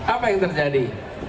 apa yang terjadi